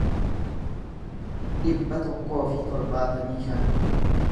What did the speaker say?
dhibba tokkoo fi torbaatamii shan